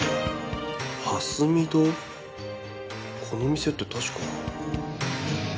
この店って確か。